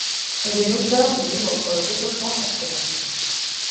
Elle est l'auteure de livres sur le développement personnel.